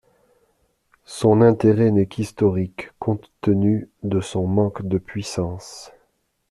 Son intérêt n'est qu'historique, compte tenu de son manque de puissance.